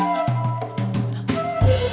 pak iwan tunggu